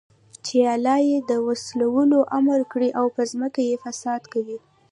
چې الله ئې د وصلَولو امر كړى او په زمكه كي فساد كوي